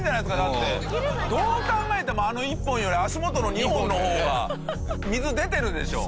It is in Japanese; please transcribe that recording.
どう考えてもあの１本より足元の２本の方が水出てるでしょ。